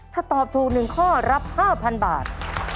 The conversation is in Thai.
ถ้าตอบถูก๑ข้อรับ๕๐๐๐บาท